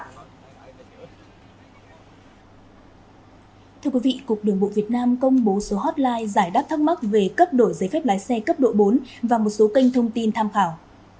cục đồng bộ việt nam công bố số hotline giải đáp thắc mắc về cấp đổi giấy phép lái xe cấp độ bốn và một số kênh thông tin tham khảo